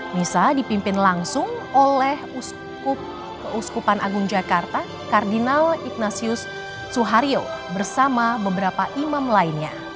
misa dipimpin langsung oleh keuskupan agung jakarta kardinal ignasius suhario bersama beberapa imam lainnya